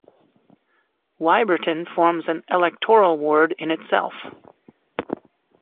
Wyberton forms an electoral ward in itself.